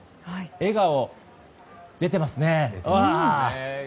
笑顔、出てますね。